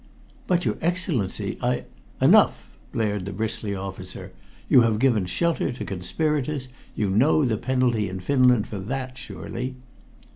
"But, your Excellency, I " "Enough!" blared the bristly officer. "You have given shelter to conspirators. You know the penalty in Finland for that, surely?"